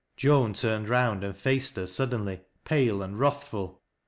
Joan turned round and faced her suddenly, pale and wrathful.